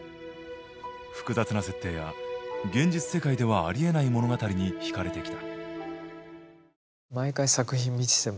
複雑な設定や現実世界ではありえない物語に惹かれてきた。